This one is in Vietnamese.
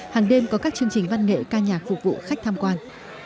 hàng đêm có các chương trình văn nghệ ca nhạc phục vụ khách tham quan